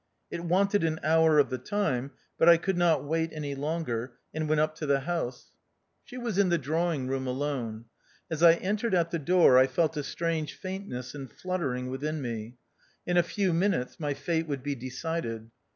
It wanted an hour of the time, but I could not wait any longer, and went up to the house. THE OUTCAST. 93 She was in the drawing room alone. As I entered at the door 1 felt a strange faint ness and fluttering within me. In a few minutes my fate would be decided.